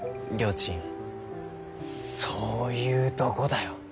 ちんそういうとごだよ！